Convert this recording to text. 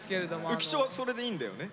浮所はそれでいいんだよね？